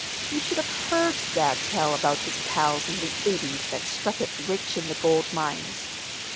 You should have heard dad tell about his pals in the eighties that struck it rich in the gold mines.